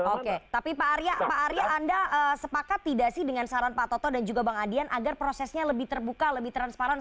oke tapi pak arya anda sepakat tidak sih dengan saran pak toto dan juga bang adian agar prosesnya lebih terbuka lebih transparan